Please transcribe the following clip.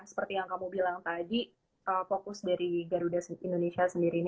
seperti yang kamu bilang tadi fokus dari garuda indonesia sendiri